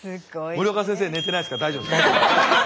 森岡先生寝てないですか大丈夫ですか？